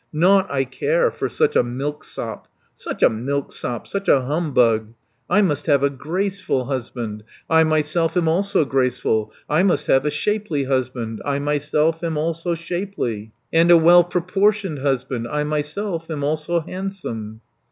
"Nought I care for such a milksop, Such a milksop, such a humbug; 180 I must have a graceful husband, I myself am also graceful; I must have a shapely husband, I myself am also shapely; And a well proportioned husband, I myself am also handsome."